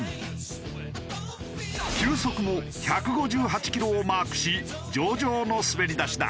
球速も１５８キロをマークし上々の滑り出しだ。